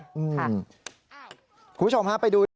คุณผู้ชมฮะไปดู